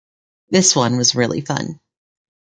This one was really fun.